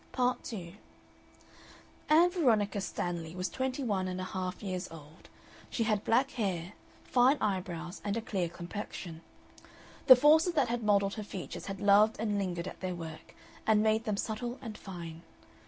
Part 2 Ann Veronica Stanley was twenty one and a half years old. She had black hair, fine eyebrows, and a clear complexion; and the forces that had modelled her features had loved and lingered at their work and made them subtle and fine.